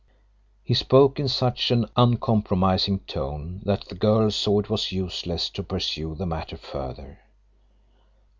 He spoke in such an uncompromising tone that the girl saw it was useless to pursue the matter further.